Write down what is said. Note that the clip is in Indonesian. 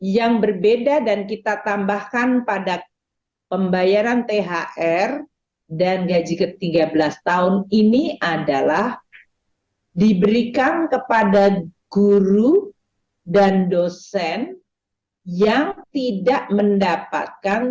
yang berbeda dan kita tambahkan pada pembayaran thr dan gaji ke tiga belas tahun ini adalah diberikan kepada guru dan dosen yang tidak mendapatkan